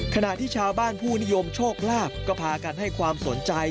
ขณะที่ชาวบ้านผู้นิยมโชคลาภก็พากันให้ความสนใจ